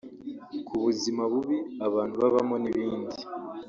ku buzima bubi abantu babamo n’ibindi